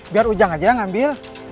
biar ujang aja yang ngambil